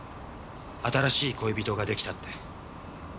「新しい恋人が出来た」って。